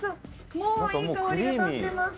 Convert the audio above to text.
もういい香りがたってます。